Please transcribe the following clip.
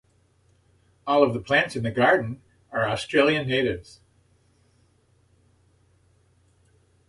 All of the plants in the Garden are Australian natives.